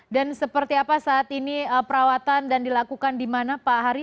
dan seperti apa saat ini perawatan dan dilakukan di mana pak hari